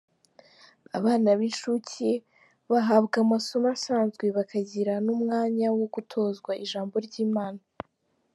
Abana b’incuke bahabwa amasomo asanzwe bakagira n’umwanya wo gutozwa Ijambo ry’Imana